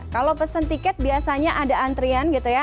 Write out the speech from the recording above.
kalau pesen tiket biasanya ada antrian gitu ya